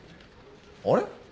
あれ？